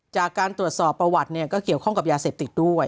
จากการตรวจสอบประวัติเนี่ยก็เกี่ยวข้องกับยาเสพติดด้วย